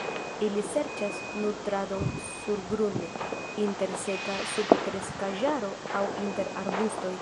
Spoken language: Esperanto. Ili serĉas nutradon surgrunde, inter seka subkreskaĵaro, aŭ inter arbustoj.